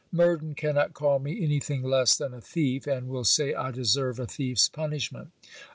Murden cannot call me any thing less than a thief, and will say I deserve a thief's punishment.